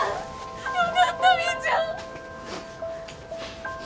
よかったみーちゃん。